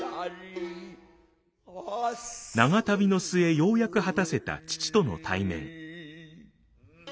長旅の末ようやく果たせた父との対面。